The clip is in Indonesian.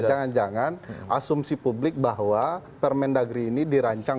jangan jangan asumsi publik bahwa permendagri ini dirancang